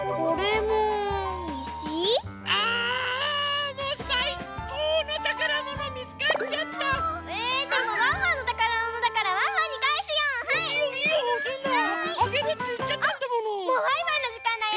もうバイバイのじかんだよ！